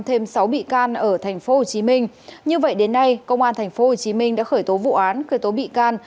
thêm sáu bị can ở tp hcm như vậy đến nay công an tp hcm đã khởi tố vụ án khởi tố bị can